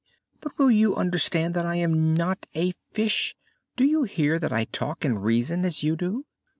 but will you understand that I am not a fish? Do you hear that I talk and reason as you do?"